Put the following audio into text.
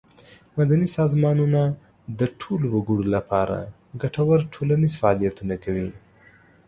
مدني سازمانونه د ټولو وګړو له پاره ګټور ټولنیز فعالیتونه کوي.